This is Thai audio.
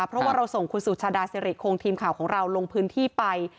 เพราะว่าเราส่งคุณสุชาดาสิริคงทีมข่าวของเราลงพื้นที่ไป